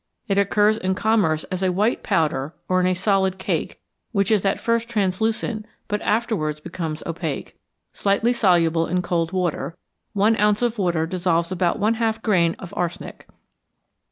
It occurs in commerce as a white powder or in a solid cake, which is at first translucent, but afterwards becomes opaque. Slightly soluble in cold water; 1 ounce of water dissolves about 1/2 grain of arsenic.